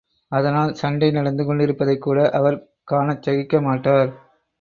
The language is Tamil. அதனால், சண்டை நடந்து கொண்டிருப்பதைக் கூட அவர் காணச் சகிக்க மாட்டார்.